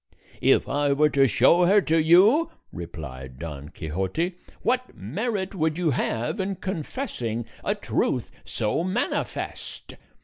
"If I were to show her to you," replied Don Quixote, "what merit would you have in confessing a truth so manifest?